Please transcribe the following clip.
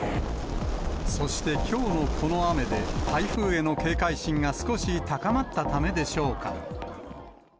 そして、きょうのこの雨で、台風への警戒心が少し高まったためでしょうか。